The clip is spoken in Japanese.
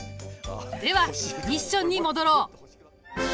ではミッションに戻ろう！